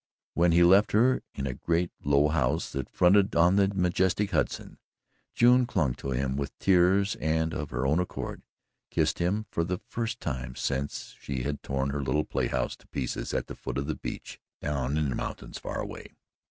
When he left her in a great low house that fronted on the majestic Hudson, June clung to him with tears and of her own accord kissed him for the first time since she had torn her little playhouse to pieces at the foot of the beech down in the mountains far away.